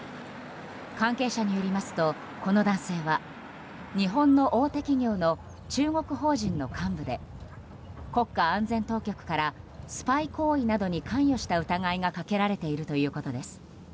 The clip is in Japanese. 関係者によりますと、この男性は日本の大手企業の中国法人の幹部で国家安全当局からスパイ行為などに関与した疑いがかけられているということです。